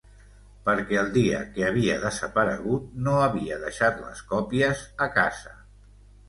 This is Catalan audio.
Perquè el dia que havia desaparegut no havia deixat les còpies a casa.